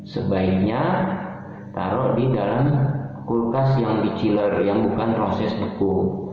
sebaiknya taruh di dalam kulkas yang di chiller yang bukan proses beku